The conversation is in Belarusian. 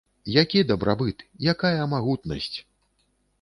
Які дабрабыт, якая магутнасць?!